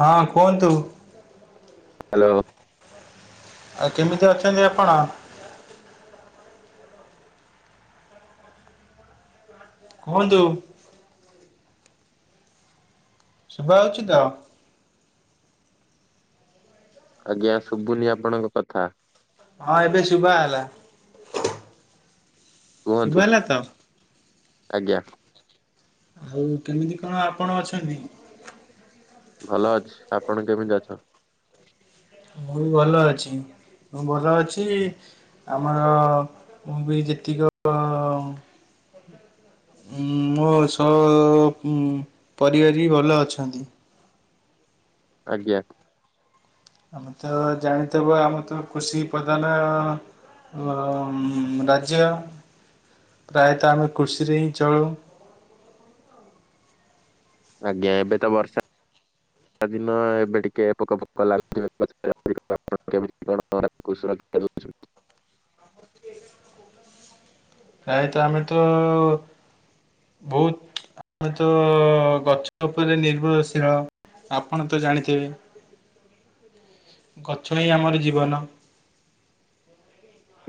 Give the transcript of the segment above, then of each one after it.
ହଁ କୁହନ୍ତୁ। ହାଲୋ। ଆଉ କେମିତି ଅଛନ୍ତି ଆପଣ? କୁହନ୍ତୁ। ଶୁଭା [unintelligible] ତ? ଆଜ୍ଞା, ଶୁବୁନି ଆପଣଙ୍କ କଥା। ହଁ, ଏବେ ଶୁବା ଗଲା। ଶୁଭା କୁହନ୍ତୁ ଗଲା ତ? ଆଜ୍ଞା। ଆଉ କେମିତି କଣ ଆପଣ ଅଛନ୍ତି? ଭଲ ଅଛି, ଆପଣ କେମିତି ଅଛନ୍ତି? ମୁଁ ବି ଭଲ ଅଛି। ମୁଁ ଭଲ ଅଛି। ଆମର ମୁଁ ବି ଯେତି [inaudible] କ। ଉଁ ମୋ ସ ପରିବାର ବି ଭଲ ଅଛନ୍ତି। ଆଜ୍ଞା। ଆମେ ତ ଜାଣିଥବା ଆମେ ତ କୁଷି ପ୍ରଧାନ। ଅ ଅ ମ୍ ରାଜ୍ୟ ପ୍ରାୟତଃ ଆମେ କୃଷିରେ ହିଁ ଚଳୁ। ଆଜ୍ଞା। ଏବେ ତ ବର୍ଷା ଦିନ ଏବେ ଟିକେ ପୋକ [inaudible] ଫୋକ [inaudible] ଲାଗୁଥିବ [inaudible] ଗଛରେ ଅଧିକ। ଆ [inaudible] ପଣ କେମିତି [inaudible] କଣ [inaudible] କୁ ସୁରକ୍ଷା ଦେଉଛନ୍ତି। ପ୍ରାୟତଃ ଆମେ ତ ବହୁତ ଆମେତ ଗଛ ଉପରେ ନିର୍ଭରଶୀଳ। ଆପଣ ତ ଜାଣିଥିବେ। ଗଛ ହିଁ ଆମର ଜୀବନ।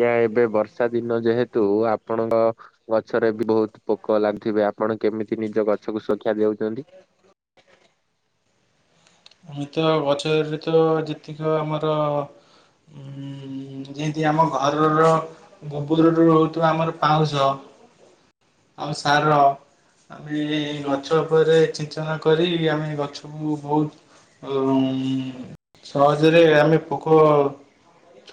ୟା ଏବେ ବର୍ଷା ଦିନ ଯେହେତୁ ଆପଣଙ୍କ ଗଛରେ ବି ବହୁତ ପୋକ ଲାଗୁଥିବେ। ଆପଣ କେମିତି ନିଜ ଗଛକୁ ସୁରକ୍ଷା ଦେଉଛନ୍ତି। ଆମେ ତ ଗଛରେ ଯେତେ ଯେତିକ ଆମର ଉଁ ଯେମତି ଆମ ଘରର ଗୋବରରୁ ହଉଥିବା ଆମର ପାଉଁଶ ଆଉ ସାର ଆମେ ଗଛ ଉପରେ ଛିଞ୍ଚନ କରି ଆମେ ଗଛକୁ ବହୁତ୍ ଆ [unintelligible] ସହଜରେ ଆମେ ପୋକ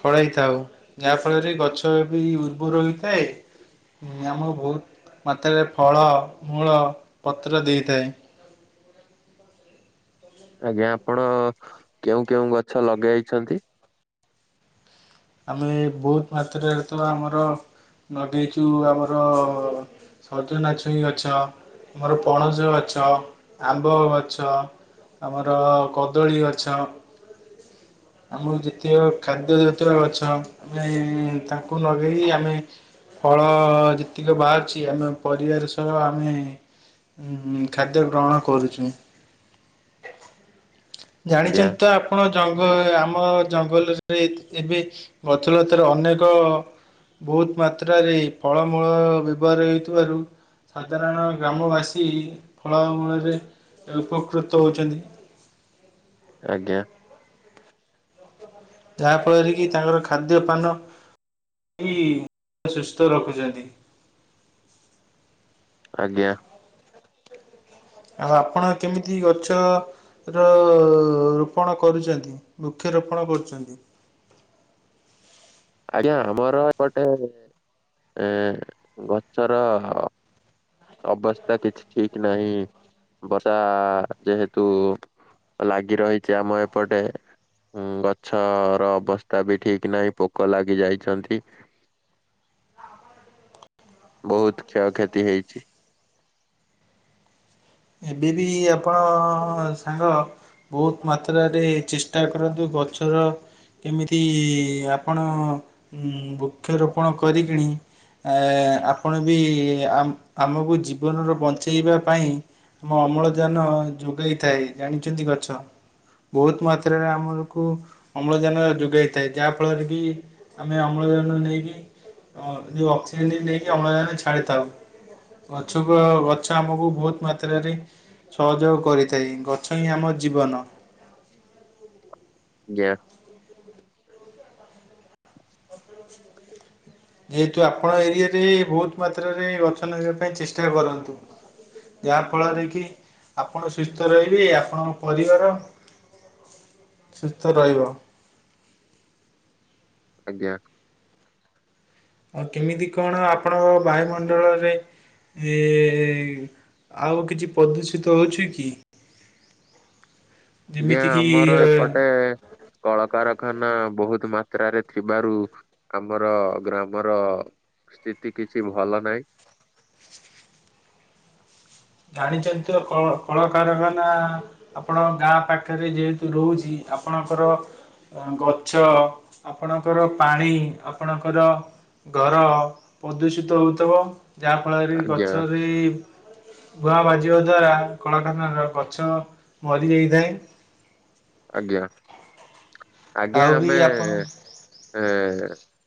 ଫଳାଇଥାଉ ଯାହାଫଳରେ ଗଛ ବି ଉର୍ବର ହୋଇଥାଏ। ଆମର ବହୁତ୍ ମାତ୍ରାରେ ଫଳ, ମୂଳ, ପତ୍ର ଦେଇଥାଏ। ଆଜ୍ଞା। ଆପଣ କେଉଁ କେଉଁ ଗଛ ଲଗେଇଛନ୍ତି? ଆମେ ବହୁତ ମାତ୍ରାରେ ତ ଆମର ଲଗେଇଛୁ ଆମର ସଜନା ଛୁଇଁ ଗଛ। ମୋର ପଣସ ଗଛ ଆମ୍ବ ଗଛ ଆମର କଦଳୀ ଗଛ। ଆମର ଯେତିକ ଖାଦ୍ୟ ଜାତି ପତର ଗଛ। ନାଇଁ ତାକୁ ନଗେଇ ଆମେ ଫଳ ଯେତିକି ବାହାରୁଛି। ଆମ ପରିବାର ସହ ଆମେ ଉଂ ହୁଁ ଖାଦ୍ୟ ଗ୍ରହଣ କରୁଛୁ। ଆଜ୍ଞା ଜାଣିଛନ୍ତି ତ ଆପଣ। ଆପଣ ଜଂଗ ଆମ ଜଙ୍ଗଲରେ ସବୁ ଏତ୍ ଏବେ ଗଛଲତାର ଅନେକ ବହୁତ ମାତ୍ରାରେ ଫଳମୂଳ ବ୍ୟବହାର ହେଉ ଥିବାରୁ ସାଧାରଣ ଗ୍ରାମବାସୀ ଫଳ ମୂଳରେ ଉପକୃତ ହୋଉଛନ୍ତି। ଆଜ୍ଞା। ଯାହାଫଳରେ କି ତାଙ୍କର ଖାଦ୍ୟପାନ ବି ସୁସ୍ଥ ରଖୁଛନ୍ତି। ଆଜ୍ଞା। ଆଉ ଆପଣ କେମିତି ଗଛ ର ରୋପଣ କରୁଛନ୍ତି। ବୃକ୍ଷରୋପଣ କରୁଛନ୍ତି। ଆଜ୍ଞା। ଆମର ଏପଟେ ଏ ଗଛର ଅବସ୍ଥା କିଛି ଠିକ ନାହିଁ ବର୍ଷା ଯେହେତୁ ଲାଗି ରହିଛି ଆମ ଏପଟେ। ଁଗଛର ଅବସ୍ଥା ବି ଠିକ ନାହିଁ ପୋକ ଲାଗି ଯାଇଛନ୍ତି। ବହୁତ କ୍ଷୟକ୍ଷତି ହେଇଛି। ଏବେ ବି ଆପଣ ସାଙ୍ଗ ବୋହୁତ୍ ମାତ୍ରାରେ ଚେଷ୍ଟା କରନ୍ତୁ ଗଛର ଇମିତି ଆପଣ ବୁକ୍ଷରୋପଣ କରିକିଣି ଏଁ ଆପଣ ବି ଆମ୍ ଆମୁକୁ ଜୀବନରୁ ବଞ୍ଚେଇବା ପାଇଁ ଆମ ଅମ୍ଳଜାନ ଯୋଗାଇଥାଏ ଜାଣିଛନ୍ତି ଗଛ? ବୋହୁତ୍ ମାତ୍ରାରେ ଆମୁକୁ ଅମ୍ଳଜାନ ଯୋଗାଇଥାଏ ଯାହା ଫଳରେ କି ଆମେ ଅମ୍ଳଜାନ ନେଇକି ଅ ଯୋଉ ଅକ୍ସିଜେନ୍ ଟି ନେଇକି ଅମ୍ଳଜାନ ଛାଡ଼ିଥାଉ। ଗଛୁକୁ ଗଛ ଆମକୁ ବୋହୁତ୍ ମାତ କ୍ଷେତ୍ରରେ ଛହଯୋଗ କରିଥାଇଁ ଗଛ ହିଁ ଆମ ଜୀବନ। ଜ୍ଞା। ଯେହେତୁ ଆପଣ ଏରିଆ ରେ ବୋହୁତ୍ ମାତ୍ରାରେ ଗଛ ନଗେଇବା ପାଇଁ ଚେଷ୍ଟା କରନ୍ତୁ। ଯାହା ଫଳରେ କି ଆପଣ ସୁସ୍ଥ ରହିବେ ଆପଣଙ୍କ ପରିବାର ସୁସ୍ଥ ରଇବ। ଆଜ୍ଞା। ଆଉ କେମିତି କଣ ଆପଣଙ୍କ ବାୟୁମଣ୍ଡଳରେ ଏ-ଇ-ଆଉ କିଛି ପଦୂଷିତ ହୋଉଛି କି? ଆଜ୍ଞା ଯେମିତି ଆମର କିି ଏପଟେ କଳକାରଖାନା ବୋହୁତ୍ ମାତ୍ରାରେ ଥିବାରୁ ଆମର ଗ୍ରାମର ସ୍ଥିତି କିଛି ଭଲ ନାହିଁ। ଜାଣିଚନ୍ତି ତ କଳ କଳକାରଖାନା ଆପଣଙ୍କ ଗାଁ ପାଖେରେ ଯେହେତୁ ରୋହୁଛି ଆପଣଙ୍କର ଅଁ ଗଛ ଆପଣଙ୍କର ପାଣି ଆପଣଙ୍କର ଗର ପଦୂଷିତ ହୋଉଥୁବ ଯାହା ଫଳରେ ଆଜ୍ଞା ଗଛରେ ଧୂଆଁ ବାଜିବା ଦ୍ୱାରା କଳଖାନାର ଗଛ ମରିଯାଇଥାଏ। ଆଜ୍ଞା। ଆଜ୍ଞା ଆଉ ବି ଆମେ ଆପଣ ଏଁ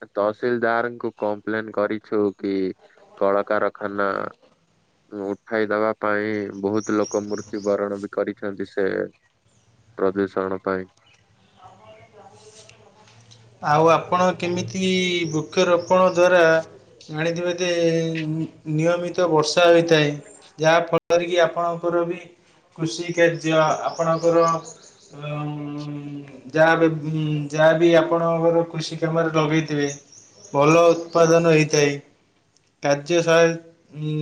ଏ ତଅସିଲଦାର୍ ଙ୍କୁ କମ୍ପ୍ଲେନ୍ କରିଛୁ କି କଳକାରଖାନା ଉଠାଇ ଦବା ପାଇଁ ବୋହୁତ୍ ଲୋକ ମୃତ୍ୟୁ ବରଣ ବି କରିଛନ୍ତି ସେ ପ୍ରଦୂଷଣ ପାଇଁ, ଆଉ ଆପଣ କେମିତି ବୃକ୍ଷ ରୋପଣ ଦ୍ଵାରା ଜାଣିଥିବେ ଦେ ନି ନିୟମିତ ବର୍ଷା ହୋଇଥାଏ। ଯାହା ଫଳରେ କି ଆପଣଙ୍କର ବି କୃଷି କାର୍ଯ୍ୟ ଆପଣଙ୍କର ଅ ଉଁ -ଯାହାବି ବୁଁ-ଯାହାବି ଆପ ଆପଣଙ୍କର କୃଷି କାମରେ ଲଗେଇଥିବେ ଭଲ ଉତ୍ପାଦନ ହେଇଥାଏ। କାର୍ଯ୍ୟ ସହାୟତ୍ ଉଁ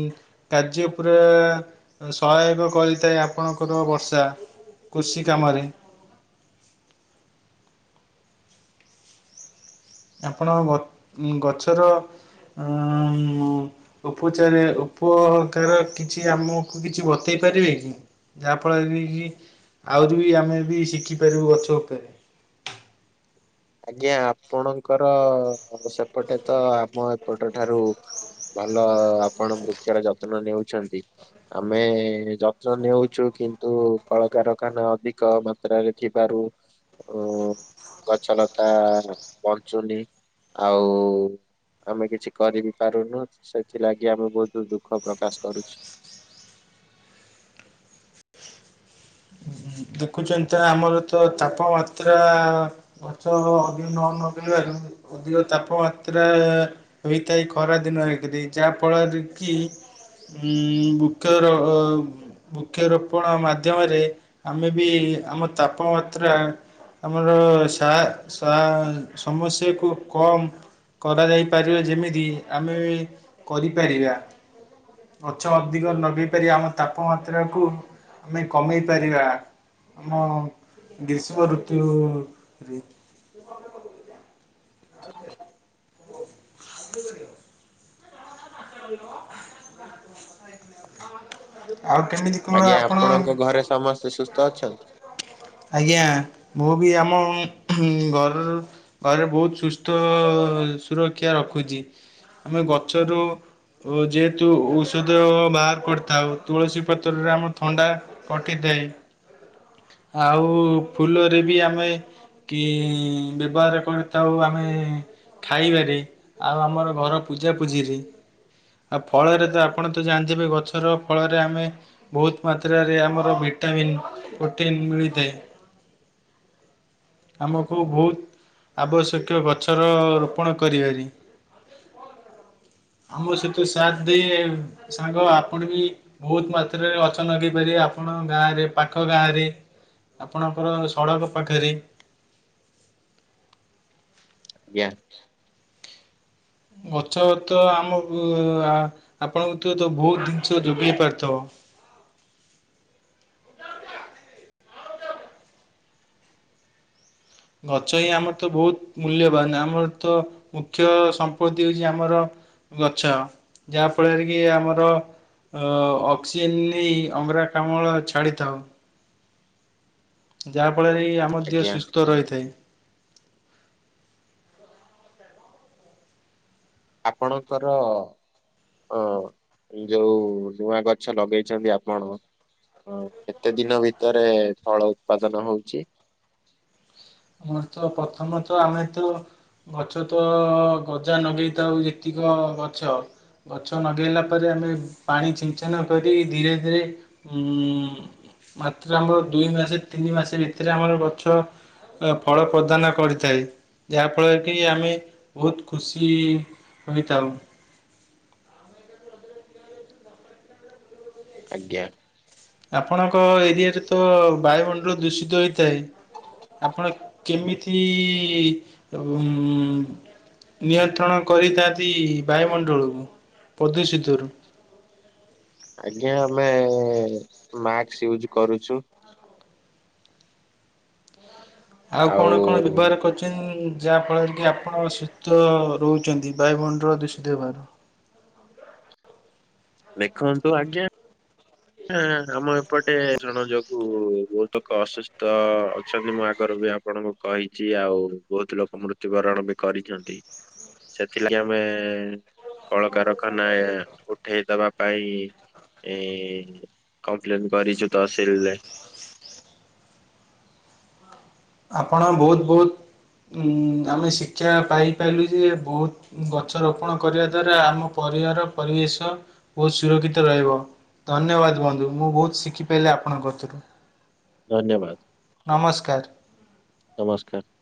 କାର୍ଯ୍ୟ ପୁରା ସହାୟକ କରିଥାଏ ଆପଣଙ୍କର ବର୍ଷା କୁଷି କାମରେ। ଆପଣଙ୍କ ଗ ଉଁ ଗଛର ଅଂ ମୁ ଉପଚାରେ ଉପକାର କିଛି ଆମୁକୁ କିଛି ବତେଇ ପାରିବେ କି? ଯାହାଫଳରେ କି କି ଆହୁରି ବି ଆମେ ଜେଦି ଶିଖିପାରିବୁ ଗଛ ଉପେରେ। ଆଜ୍ଞା ଆପଣଙ୍କର ସେପଟେ ତ ଆମ ଏପଟ ଠାରୁ ଭଲ ଆପଣ ବୃକ୍ଷର ଯତ୍ନ ନେଉଛନ୍ତି। ଆମେ ଯତ୍ନ ନେଉଛୁ କିନ୍ତୁ କଳକାରଖାନା ଅଧିକ ମା ମାତ୍ରାରେ ଥିବାରୁ ଗ ଗଛ ଲ ତା ବଞ୍ଚୁନି ଆଉ ଆମେ କିଛି କରିିବି ପାରୁନୁ ସେଥିଲାଗି ଆମେ ବୋହୁତୁ ଦୁଃଖ ପ୍ରକାଶ କରୁଛୁ। ଦେଖୁଚନ୍ତି ତ ଆମର ତ ତାପମାତ୍ରା ଗଛ ଅଧିକ ନ ନଗେଇବାରୁ ଅଧିକ ତାପମାତ୍ରା ହୋଇଥାଏ ଖରା ଦିନ ରେକି ଯାହା ଫଳରେ କି ବୃକ୍ଷର ବୃକ୍ଷ ରୋପଣ ମାଧ୍ୟମରେ ଆମେ ବି ଆମ ତାପମାତ୍ରା ଆମର ସା ସା ସମସ୍ୟାକୁ କମ୍ କଡ଼ାଯାଇ ପାରିବ ଯେମିତି ଆମେ କରିପାରିବା। ଗଛ ଅଧିକ ଲଗେଇ ପାରିବା ଆମ ତାପମାତ୍ରାକୁ ଆମେ କମେଇ ପାରିବା। ଆମ ଗ୍ରୀଷ୍ମ ଋତୁରେ [inaudible] ଆଉ କେମିତି? କଣ ଆଜ୍ଞା ଆପଣ ଆପଣଙ୍କ ଘରେ ସମସ୍ତେ ସୁସ୍ଥ ଅଛନ୍ତି? ଆଜ୍ଞା ମୁଁ ବି ଆମ ଘରର ଘରେ ବହୁତ ସୁସ୍ଥ ସୁରକ୍ଷା ରଖୁଛି ଆମ ଗଛରୁ ଓ ଯେହେତୁ ଔଷଧ ବାହାର କରିଥାଉ ତୁଳସୀ ପତ୍ରରୁ ଆମ ଥଣ୍ଡା କଟିଥାଏ ଆଉ ଫୁଲରେ ବି ଆମେ କି ବ୍ୟବହାର କରିଥାଉ ଆମେ ଖାଇବାରେ ଆଉ ଆମର ଘର ପୂଜା ପୂଜିରେ। ଫଳରେ ତ ଆପଣ ତ ଜାଣିଥିବେ ଗଛର ଫଳରେ ଆମେ ବହୁତ ମାତ୍ରାରେ ଆମର ଭିଟାମିନ୍ ପ୍ରୋଟିନ୍ ମିଳିଥାଏ। ଆମକୁ ବହୁତ ଆବଶ୍ୟକ ଗଛର ରୋପଣ କରିବା ଅଛି। [inaudible] ଆମ ସହିତ ସାଥ ଦେ ସାଙ୍ଗ ଆପଣ ବି। ବହୁତ ମାତ୍ରାରେ ଗଛ ଲଗେଇ ପାରିବେ ଆପଣ ଗାଁରେ ପାଖ ଗାଁ ରେ। ଆପଣଙ୍କର ସଡ଼କ ପାଖରେ। ଆଜ୍ଞା [inaudible] ଗଛ ତ ଆମକୁ ଆପଣଙ୍କୁ ତ ବହୁତ ଜିନିଷ ଯୋଗେଇ ପାରୁଥିବ। ଗଛ ହିଁ ଆମରତ ବହୁତ ମୂଲ୍ୟବାନ ଆମରତ ମୁଖ୍ୟ ସମ୍ପତ୍ତି ହଉଛି ଆମର ଗଛ ଯାହା ଫଳରେ କି ଆମର ଅ ଅକ୍ସିଜେନ୍ ନେଇ ଅଙ୍ଗରା କାମଳ ଛାଡ଼ିଥାଉ। ଯାହାଫଳରେ ଆମ ଦେହ ଆଜ୍ଞା ସୁସ୍ଥ ରହିଥାଏ। ଆପଣଙ୍କର ହଁ ଯୋଉ ନୂଆ ଗଛ ଲଗେଇଛନ୍ତି ଆପଣ ହଁ କେତେ ଦିନ ଭିତରେ ଫଳ ଉତ୍ପାଦନ ହଉଛି? ଆମରତ ପ୍ରଥମତଃ ଆମେତ ଗଛ ତ ଗଜା ଲଗେଇଥାଉ ଯେତିକ ଗଛ ଗଛ ଲଗେଇଲା ପରେ ଆମେ ପାଣି ଛିଞ୍ଚନ କରି ଧୀରେ ଧୀରେ ଉଁ ମାତ୍ର ଆମର ଦୁଇ ମାସେ ତିନି ମାସ ଭିତରେ ଆମର ଗଛ ଫଳ ପ୍ରଦାନ କରିଥାଏ। ଯାହାଫଳରେ କି ଆମେ ବହୁତ ଖୁସି ହୋଇଥାଉ। ଆଜ୍ଞା। ଆପଣଙ୍କ ଏରିଆରେ ତ ବାୟୁମଣ୍ଡଳ ଦୂଷିତ ହୋଇଥାଏ। ଆପଣ କେମିତି ନିୟନ୍ତ୍ରଣ କରିଥାନ୍ତି ବାୟୁମଣ୍ଡଳକୁ ପ୍ରଦୁସିତରୁ? ଆଜ୍ଞା ଆମେ ମାସ୍କ ୟୁଜ୍ କରୁଛୁ। ଆଉ କଣ କଣ ବ୍ୟବହାର କର? ଯାହା ଫଳରେ କି ଆପଣ ଶୀସ୍ଥ ରହୁଛନ୍ତି ବାୟୁମଣ୍ଡଳ ଦୂଷିତ ହେବାର ଦେଖନ୍ତୁ ଆଜ୍ଞା। ହଁ ଆମ ଏପଟେ ଜଣ ଯୋଗୁ ବହୁତ ଲୋକ ଅସୁସ୍ଥ ଅଛନ୍ତି ମୋ ଆଗରୁ ବି ଆପଣଙ୍କ କହିଛି ଆଉ ବହୁତ ଲୋକ ମୃତ୍ୟୁବରଣ ବି କରିଛନ୍ତି ସେଥିଲାଗି ଆମେ କଳକାରଖାନା ଉଠେଇ ଦବା ପାଇଁ ଏ କମ୍ପ୍ଲେନ୍ କରିଚୁ ତହସିଲରେ ଆପଣ ବହୁତ ବହୁତ ଆମେ ଶିକ୍ଷା ପାଇପାରିଲୁ ଯେ ବହୁତ ଗଛ ରୋପଣ କରିବା ଦ୍ଵାରା ଆମ ପରିବାର ପରିବେଶ ବହୁତ ସୁରକ୍ଷିତ ରହିବ। ଧନ୍ୟବାଦ ବନ୍ଧୁ ମୁଁ ବହୁତ ଶିଖିପାରିଲି ଆପଣଙ୍କଥିରୁ। ଧନ୍ୟବାଦ ନମସ୍କାର। ନମସ୍କାର।